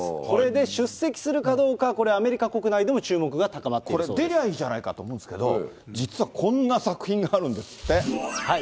それで出席するかどうか、アメリカ国内でも注目が高まっているそこれ、出りゃいいじゃないかと思うんですけど、実はこんな作品があるんですって。